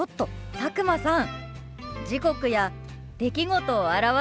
佐久間さん